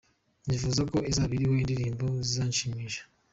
Nifuz ko izab iriho indirimbo zizashimisha.